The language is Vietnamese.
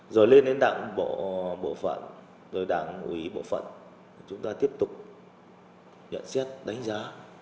rồi lên đến đảng bộ bộ phận rồi đảng ủy bộ phận chúng ta tiếp tục nhận xét đánh giá